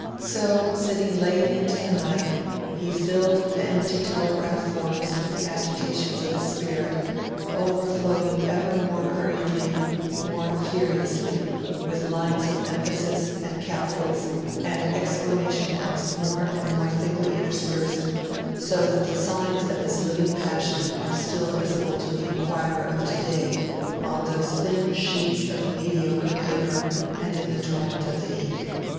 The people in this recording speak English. So, sitting late into the night, he filled the empty telegraph forms with the agitations of his spirit, overflowing ever more hurriedly, more furiously, with lines of emphasis, and capitals, and exclamation marks more and more thickly interspersed, so that the signs of his living passion are still visible to the inquirer of today on those thin sheets of mediocre paper and in the torrent of the ink.